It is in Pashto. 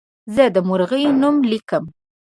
زه د مرغۍ نوم لیکم.